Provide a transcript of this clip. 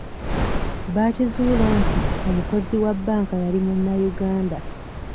Bakizuula nti omukozi wa bbanka yali munnayuganda.